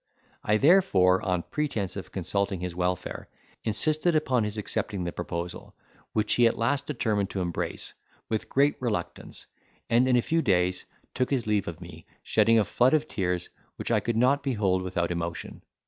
I therefore, on pretence of consulting his welfare, insisted upon his accepting the proposal, which he at last determined to embrace, with great reluctance, and in a few days, took his leave of me, shedding a flood of tears, which I could not behold without emotion.